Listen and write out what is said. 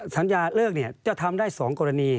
สัญญาเลิกเนี่ยเจ้าทำได้สองกรณี